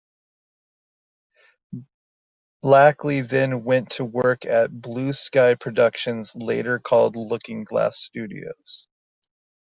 Blackley then went to work at Blue Sky Productions, later called Looking Glass Studios.